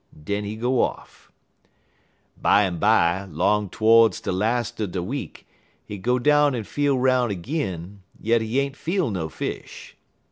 Den he go off. "Bimeby, 'long todes de las' er de week, he go down en feel 'roun' 'g'in, yit he ain't feel no fish.